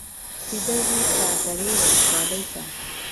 سیده ځو چاردرې ولسوالۍ ته.